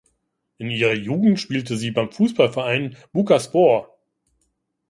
In ihrer Jugend spielte sie beim Fußballverein Bucaspor.